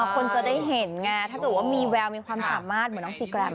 คนจะได้เห็นไงถ้าเกิดว่ามีแววมีความสามารถเหมือนน้องซีแกรม